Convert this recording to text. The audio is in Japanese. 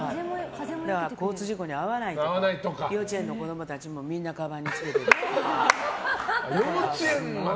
交通事故に遭わないとか幼稚園の子供たちもみんなかばんにつけてて。